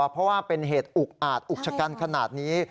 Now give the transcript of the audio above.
เพราะว่าเป็นเหตุอุกอาจอุกชะกันขนาดนี้